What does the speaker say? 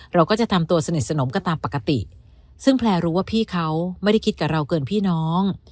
เราก็จะทำตัวสนิทสนมกันตามปกติซึ่งแพลร์รู้ว่าพี่เขาไม่ได้คิดกับเราเกินพี่น้อง